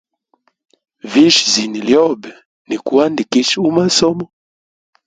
Visha zina lyobe ni kuandikishe umasomo.